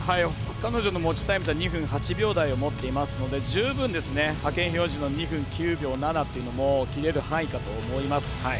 彼女の持ちタイムは２分８秒台を持っていますので十分、派遣標準の２分９秒７というのも切れる範囲かと思います。